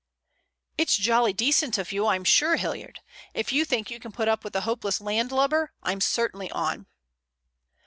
"It's jolly decent of you, I'm sure, Hilliard. If you think you can put up with a hopeless landlubber, I'm certainly on."